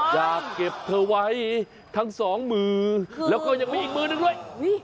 อยากเก็บเธอไว้ทั้งสองมือแล้วก็ยังมีอีกมือหนึ่งด้วย